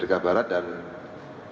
dan yang kedua di penjaringan